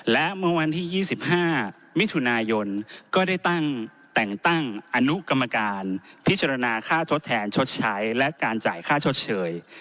และเมื่อวันที่๒๕มิถุนายนก็ได้ตั้งแต่งตั้งอนุกรรมการพิจารณาค่าทดแทนชดใช้และการจ่ายค่าชดเชย